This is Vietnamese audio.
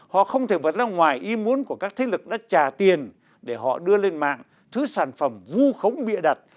họ không thể vượt ra ngoài im muốn của các thế lực đã trả tiền để họ đưa lên mạng thứ sản phẩm vu khống bịa đặt